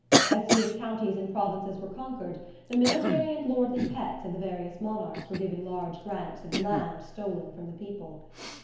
As soon as counties and provinces were conquered, the military and lordly pets of the various monarchs were given large grants of the lands stolen from the people.